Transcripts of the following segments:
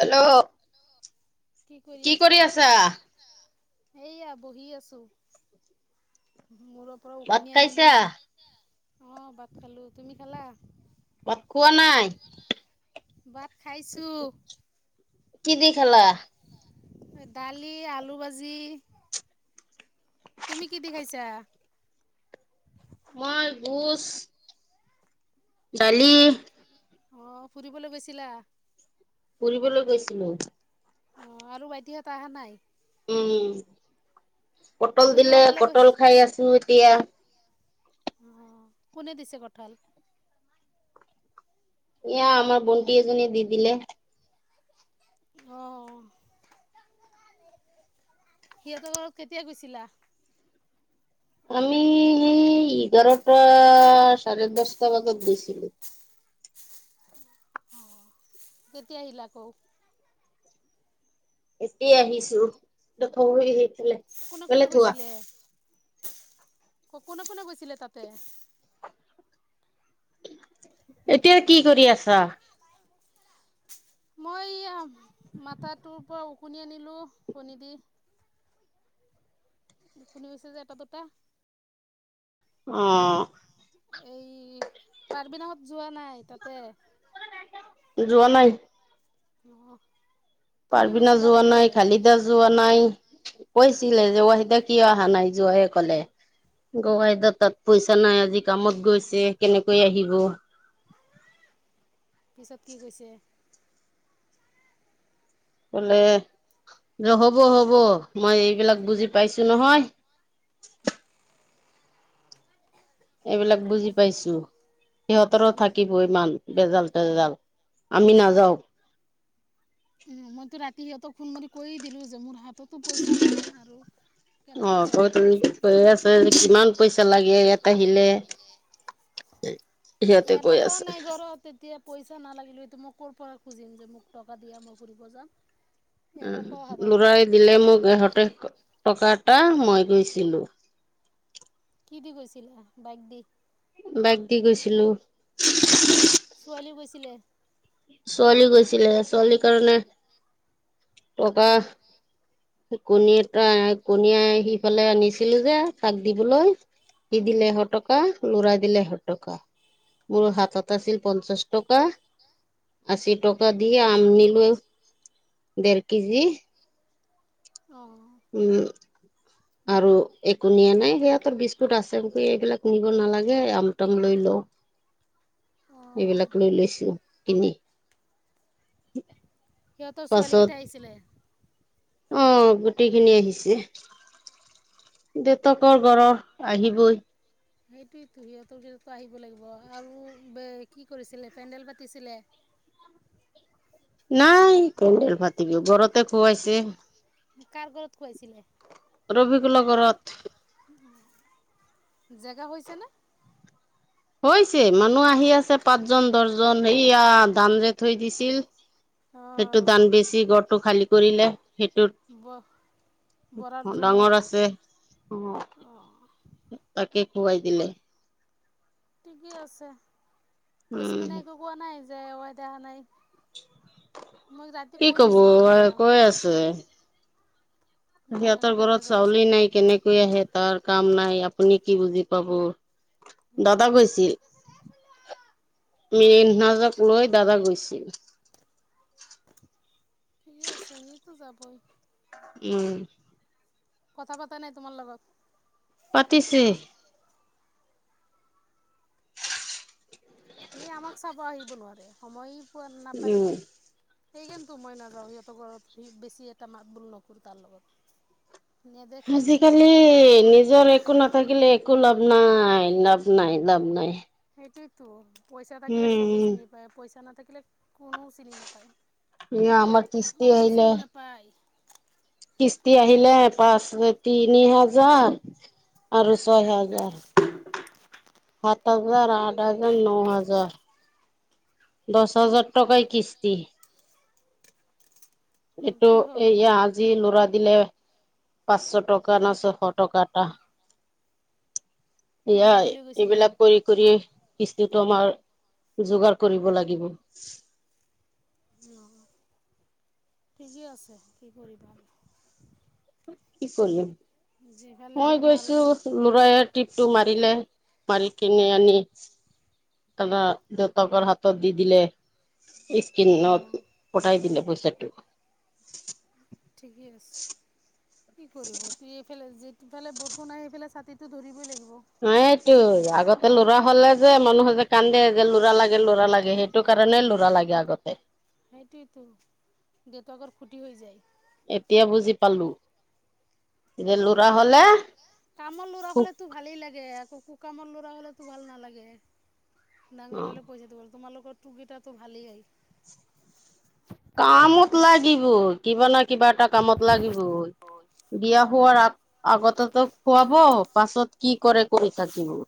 Hello কি কৰি আছা এয়া বহি আছো মূৰৰ পৰা ভাত উকনি খাইছা? আনিলো, অ', ভাত খালো, তুমি খালা? মাত খোৱা নাই ভাত খাইছোঁ। কি দি খালা? দালি, আলু ভাজি তুমি কি দি খাইছা? মই গুচ দালি অ', ফুৰিবলৈ গৈছিলা? ফুৰিবলৈ গৈছিলো। অ', আৰু ভাইটিহঁত আহা নাই? উম, পটল তুমিও দিলে, অকলে পটল গৈছিল? খাই আছো এতিয়া। অ কোনে দিছে কঠাল ইয়া আমাৰ বনটি এজনি দি দিলে। অ', সিহঁতৰ ব কেতিয়া গৈছিলা আমি এই এঘাৰটা চাৰে দচটা বজাত গৈছিলো। অ', কেতিয়া আহিলা আকৌ? এতি আি চেই কোনে কোনে গৈছিলে? ক কোনে কোনে গৈছিলে তাতে এতিয়া কি কৰি আছা? মই আ, মাথাটোৰ পৰা ওকণি আনিলোঁ, কণী দি কুনি বেছে যে এটা দুটা। অ', এই কাৰ্বি লঙত যোৱা নাই, তাতে যোৱা নাই? অ পাৰ্বিনা যোৱা নাই, খালিদা যোৱা নাই, কৈছিলে যে ৱাহিদা কিয় অহা নাই। [unintelligible] কলে গগৈদা তাত পইচা নাই আজি কামত গৈছে, কেনেকৈ আহিব? পিচত কি কৈছে? কলে ৰ হ'ব হব মই এইবিলাক বুজি পাইছো নহয় এইবিলাক বুজি পাইছো, সিহঁতৰো সি থাকিব ইমান। বেজাল তেজাল, আমি নাযাও। উম, মইতো ৰাতি সিহঁতক ফোন মাৰি কৈয়ে দিলো যে মোৰ হাততো পইচা নাই আৰু কেনেকৈ অ', যাম ত' তুমি কৈ আছা যে কিমান পইচা লাগে ইয়াত আহিলে? সিহঁতে ইয়টো কৈ ক আছে। নাই ঘৰ তেতিয়া পইচা নালাগিলে সটো মই ক'ৰ পৰা খুজিম যে মোক টকা দিয়া মই ফুৰিব যাম উম, এটকাও হাতত নাই লৰাই দিলে মোক ইহঁতে। টকা এটা মই গৈছিলোঁ কি দি গৈছিলা বাইক দি বাইক দি গৈছিলোঁ ছোৱালী গৈছিলে ছোৱালী গৈছিলে ছোৱালীৰ কাৰণে ককা কণী এটা কণীয়ে সিফালে আনিছিলো যে চাক দিবলৈ স অঁ দিলে হটকা লৰা দিলেশত টকা মোৰ হাতত আছিল পঞ্চাশ টকা আশী টকা দিয় আম নিলো দেৰ কেজি অ উম আৰু একো নিয়া নাই সিহঁতৰ বিস্কুট আছেক এইবিলাক নিব নালাগে আমটম লৈ লও [unintelligible] অঁ এইবিলাক লৈ লৈছো কিনি সিহঁতৰ ছোৱালীকেইটাাই আহিছিলে আহ গোটেইখিনি আহিছে দেউেতকৰ ঘৰৰ আহিবই সেইটোতো সিহঁতৰ দো আহিব লাগিব আৰু ব কি কৰিছিলে পেডেল পাতিছিলে [unintelligible] নাই কেেল ভাটিব ঘৰতে খুৱাইছে কাৰ ঘলৰত খুৱাইছিলে ৰবিিক লগৰত জেগা হৈছে নে হৈছে মানুহ আহি আছে পাঁচ জন দহজন সেয়া ধান যে থৈ দিছিল সেইটো অঁ দান বেছি গৰটো খালি কৰিলে সেইটোত ৱাহ ডাঙৰ আছে অ অঁ তাকে খুৱাই দিলে ঠিকেই আছে এশ্মি উম নাইকো কোৱা নাই যে এৱাই দেহা নাই মই ৰাতি কি কৈ কব দিছোঁ যে মানে কৈ আছে মোৰ সিহঁতৰ এনেকৈ ঘৰত বেজাল আছে চাউলে নাই কেনেকৈ আহে তাৰ কাম নাই আপুনি কি বুজি পাব কি ক ম নাজয় দাদা গৈছিল ঠিক আছে সেইতো যাবই উম কথা পতা নাই তোমাৰ লগত পাতিছে এই আমাক চাব আহিব নোৱাৰে সময় পোৱা নাপায় উম সেইকাৰণো মই নাযাওঁ সিহঁতৰ গৰ বেছি এটা মাত বোল নকৰো তাৰ লগত নেদেখে আজিকালি নিজৰ একো নাথাকিলে একো লাভ নাই লাভ নাই লাভ নাই সেইটোতো পইচা থাকিলে চবেই উম চিনি পায় পইচা নাথাকিলে কোনোও চিনি নোপায় এয়া দুখীয়া আমাৰ কিস্তি মানুহৰ আহিলে চিনি নাপায় কিস্তি আহিলে পাঁচ তিনি হাজাৰ আৰু ছয় হাজাৰ সাত হাজাৰ আঠ হাজাৰ ন হাজাৰ দহ হাজাৰ টকাই কিস্তি এইটো এ কিহৰ আজি নৰা দিলে পাঁচশ টকা ন ছয়শ টকাটা এয়াই গাড়ী লৈ গৈছিলে এইবিলাক কৰি কৰি এইটো আমাৰ যোগাৰ কৰিব লাগিব অ', ঠিকেই আছে, কি কৰিবা? কি কৰিলি, যিফালে মই তোমাৰ গৈছো লৰায়ে টিপটো মাৰিলে। মাল কিনে আনি দাদা জতকৰ হাতত দি দিলে কি ন অঁ পটাই দিে পছটোো ঠিকেই আছে কি কৰিব তু এইফালে যে ইফাল বৰষু নাই সেইফালে ছাতিতো ধৰিবই লাগিব ন এইটোয় আগতে লৰা হ'লে যে মানুহে যে কান্দে যে লোৰা লাগে লৰা লাগে সেইটো কাৰণে ল'ৰা লাগে আগতে সেইটতো দেউেত আগৰ খুটি হৈ যায় এতিয়া বুজি পালো। যে লৰা সেই হলে কামৰ লৰা সুখ হলেতো ভালেই লাগে আৌ কুকামৰ ল'ৰা হলেতো ভাল নালাগে অ ডাঙৰ হলে পইচাটো ভাল তোমালোকৰ টুকিটাাতটো ভালেইাই কামত লাগিবই কিবা ন কিবা এটা কামত লাগিবই বিয়া হোৱাৰ আগ আগতেতো খুৱাব পাছত কি কৰে কৰিছাকিবোৰ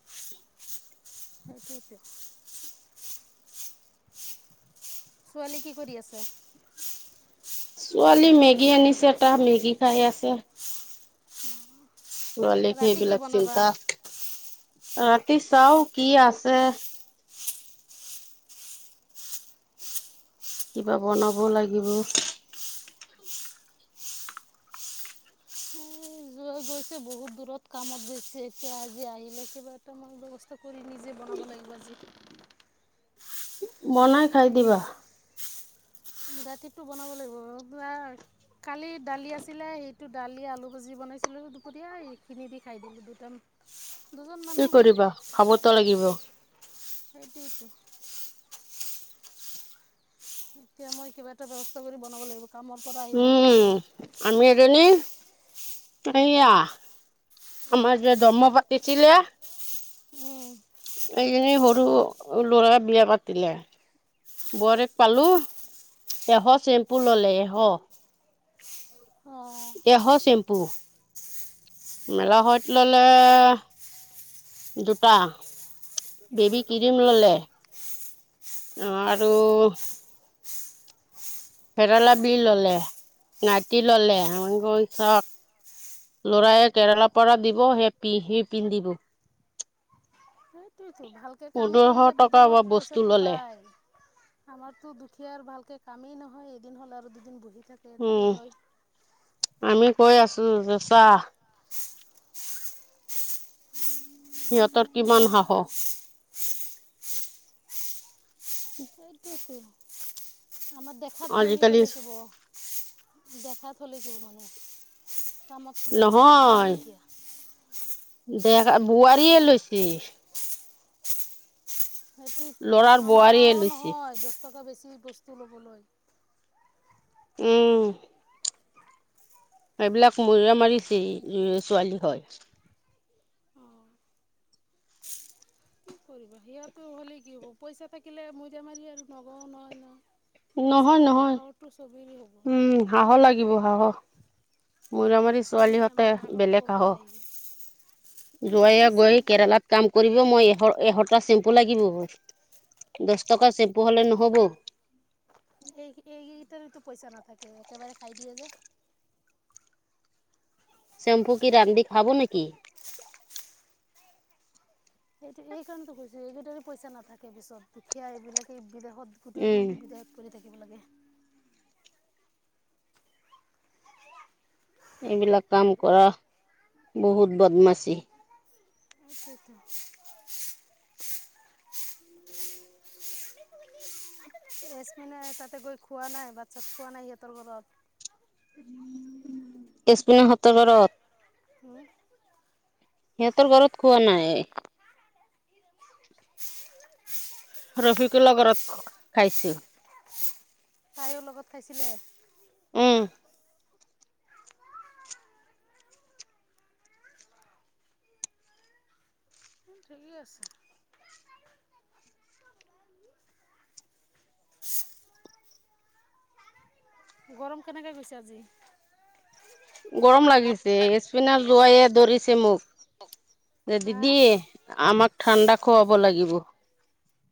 [inaudible] সেই কিেইত ছোৱালী কি কৰি আছে ছোৱালী মেগী আনিছে তা মেগী খাই আছে। ছোৱালীক ৰাতি কি সেইবিলাক বনাবা চিন্তা ৰাতি চাও কি আছে। কিবা বনাব লাগিব এই যোৱা গৈছে বহুত দূৰত কামত গৈছে এতিয়া আজি আহিলে কিবা এটাামান ব্যয়ৱস্থা কৰি নিজে বনাব লাগিলে বুজিলোঁ। বনাই খাই দিবা ৰাতিটো বনাব লাগিব কালি দালি আছিলে সেইটো দালি আলু ভাজি বনাইছিলো দুপৰীয়া এইখিনি দি খাই দিলো দুটাম উ কি কৰিবা খাব ত লাগিব সেইটোৱেটো এতিয়া মই কিবা এটা ব্যৱস্থা কৰি বনাব লাগিব কামৰ পৰা আহিব উম আমি এজনী এয়া আমাৰ যে দহ্ম পাতিছিলে উম এইজনী সৰু লৰা বিয়া পাতিলে বৰেক পালো এশ চেম্পু ললে এশ অ', কিহৰ চেম্পু, মেলা হয়ত ললে দুটা, বেবি ক্ৰীম ললে। আৰু পেৰালা বিল ললে নাতি ললে আগ চক লৰায় কেৰেলাৰ পৰা দিব সেইি সি পিন্ধিব সেইটোৱেতো ভালকে কাম পোন্ধৰশ কৰিলে টকা বিদহত বস্তু পইচাটো ল'লে পাই আমাৰতো দুখীয়া আৰু ভালকে কামেই নহয় হয় এদিন হ'লে আৰু দুদিন বহি থাকে উম, এনেকেই হয়। আমি কৈ আছো যে, চা সিহঁতৰ কিমান সাহস সেইটোৱেতো আমাৰ দেখাত বনিী আজিকালি হ'লে কিিব দেখাত হলে কিহব মানুহ, কামত নাই, একদম দুখীয়া। [inaudible] দেকা, বোৱাৰীয়ে লৈছি। সেইটোতো ল'ৰাৰ আমাৰ বোৱাৰীয়ে আও লৈছে নহয়, দহ টকা বেছি বস্তু ল'বলৈ। উম। এইবিলাক মৈৰা-মাৰিছি ছোৱালী হয়। অ', কৰিব সেয়াতো হ'লে কি হ'ব, পইচা থাকিলে মৈদা মাৰি আৰু নগও নহয় নহয়। নহয় নহয় হ'ব। উম হাঁহ লাগিব হাঁহ। মৈৰাবাৰি পইচাই নাই ছোৱালীহঁতে আমাৰ হাঁহ ক'ৰ বেলেগ আহ। পৰা আহিব আমাৰ যোৱাৱে পইচাই গৈ কেৰেলাত কাম কৰিব মই এহ। এশটা চেম্পু লাগিব, দছ টকা চেম্পু হলে নহ'ব এই এইকেইটা পইচা নাথাকে একেবাৰে খাই দিয়ে যে। ছেম্পু কি ৰান্ধি খাব নেকি? সেইটো এই কাৰণো কৈছো এইকেইটাৰে পইচা নাথাকে পিছত দুখীয়া এইবিলাকে বিদেশত গোটেই উম দিনটো বিদেশ পৰি থাকিব লাগে। এইবিলাক কাম কৰা বহুত বদমাছি। আটো আ [unintelligible] এচপিনে তাতে গৈ খোৱা নাই ভাতচাত খোৱা নাই সিহঁতৰ ঘৰত। ইছপিন সত ৰত। সিহতঁৰ ঘৰত খোৱা নাই। ৰফিকুলৰ গৰত খাইছো। তাইও লগত খাইছিলে? উম। ঠিকেই আছে। গৰম কেনেকে গৈছে আজি? গৰম লাগিছে স্পিনাৰ যোৱাইে দৌৰিছে মোক। এ হা দিদি আমাক ঠাণ্ডা খুৱাব লাগিব।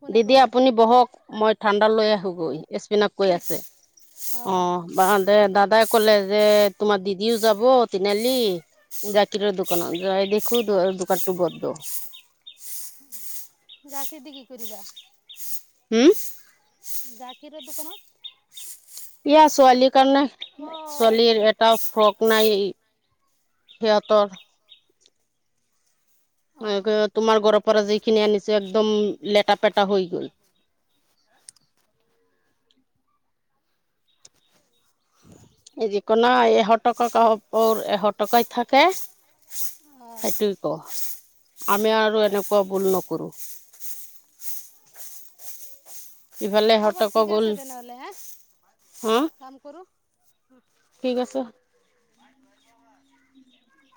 কোনে দিদি কয় আপুনি বহক মই ঠাণ্ডা লৈ আহোঁগৈ। স্পিনাক কৈ কোন আছে অ অঁ বা দে দাদাই ক'লে যে তোমাৰ দিদিও যাব তিনিআলি জাকিৰৰ দোকানত যাই দেখো দোকানটো বন্ধ। জাকেদি কি কৰিবা? উম্। জাকীৰৰ দোকানত। এয়া ছোৱালী কাৰণে অঁ ছোৱালীৰ এটা ফ্ৰক নাই। সিঁহতৰ। অঁ তোমাৰ গৰপ। পৰা যিখিনি আনিছো একদম লেটা পেটা হৈ গ'ল। এই যিকোনাই এহ টকা কৰ এশ টকাই থাকে। অঁ সেইটুও ক আমি আৰু এনেকুৱা ভুল নকৰো। ইফালে হ'ব এশ টকা ঠিক গ'ল আছে তেনেহ'লে হে হা কাম কৰোঁ। ঠিক আছে। উম